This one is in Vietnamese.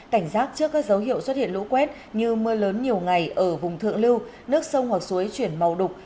cảnh giác trước các dấu hiệu xuất hiện lũ quét như mưa lớn nhiều ngày ở vùng thượng lưu nước sông hoặc suối chuyển màu đục